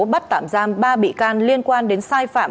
bắt tạm giam ba bị can liên quan đến sai phạm